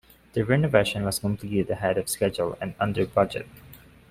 The renovation was completed ahead of schedule and under budget.